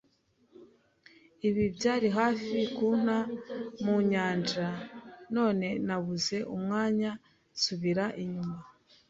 Ibi byari hafi kunta mu nyanja; none nabuze umwanya, nsubira inyuma